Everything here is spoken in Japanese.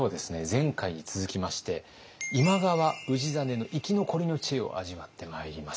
前回に続きまして今川氏真の生き残りの知恵を味わってまいります。